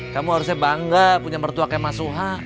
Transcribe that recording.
kamu harusnya bangga punya mertua kayak mas suha